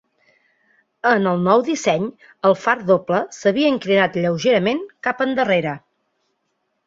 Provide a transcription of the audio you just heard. En el nou disseny, el far doble s'havia inclinat lleugerament cap endarrere.